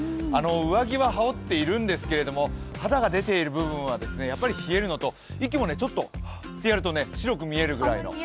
上着は羽織っているんですけれども肌が出ている部分はやっぱり冷えるのと、息もはーってやると白く見えるぐらいの。